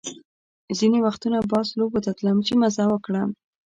ځینې وختونه به آس لوبو ته تلم چې مزه وکړم.